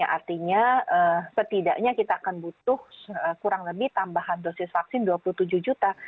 artinya setidaknya kita akan butuh kurang lebih tambahan dosis vaksin dua puluh tujuh juta